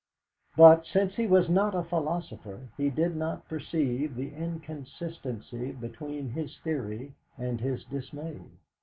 But, since he was not a philosopher, he did not perceive the inconsistency between his theory and his dismay.